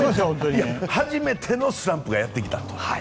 初めてのスランプがやってきたと。